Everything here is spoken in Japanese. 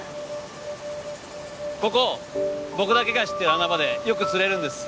ここ僕だけが知ってる穴場でよく釣れるんです。